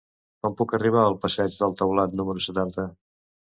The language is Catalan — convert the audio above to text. Com puc arribar al passeig del Taulat número setanta?